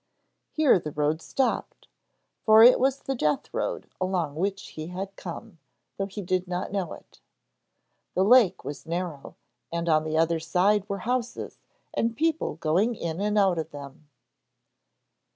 Here the road stopped; for it was the death road along which he had come, though he did not know it. The lake was narrow, and on the other side were houses and people going in and out of them.